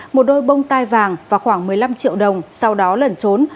một đôi bông tai vàng và khoảng một mươi năm triệu đồng sau đó lẩn trốn